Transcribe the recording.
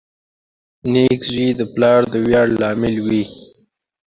• نېک زوی د پلار د ویاړ لامل وي.